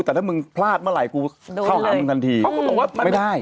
แต่ถ้ามึงพลาดเมื่อไหร่กูเข้าหามึงทันทีไม่ได้